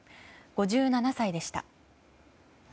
５７歳でした。